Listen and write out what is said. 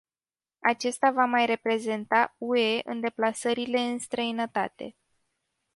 Acesta va mai reprezenta u e în deplasările în străinătate.